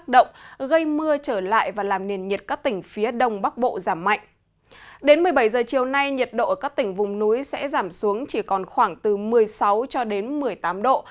đến một mươi bảy h chiều nay nhiệt độ ở các tỉnh vùng núi sẽ giảm xuống chỉ còn khoảng từ một mươi sáu cho đến một mươi tám độ